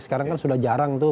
sekarang kan sudah jarang tuh